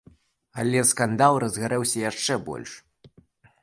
Але скандал разгарэўся яшчэ больш.